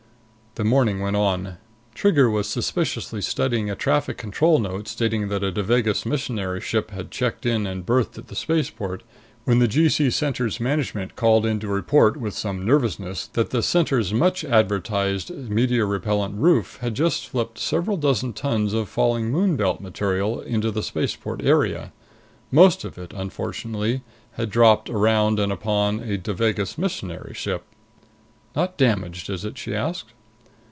The morning went on. Trigger was suspiciously studying a traffic control note stating that a Devagas missionary ship had checked in and berthed at the spaceport when the G C Center's management called in to report, with some nervousness, that the Center's much advertised meteor repellent roof had just flipped several dozen tons of falling Moon Belt material into the spaceport area. Most of it, unfortunately, had dropped around and upon a Devagas missionary ship. "Not damaged, is it?" she asked.